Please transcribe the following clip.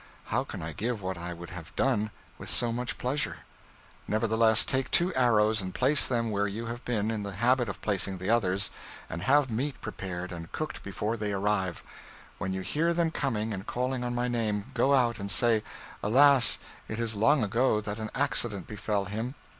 How can I give what I would have done with so much pleasure? Nevertheless, take two arrows, and place them where you have been in the habit of placing the others, and have meat prepared and cooked before they arrive. When you hear them coming and calling on my name, go out and say, "Alas! it is long ago that an accident befell him.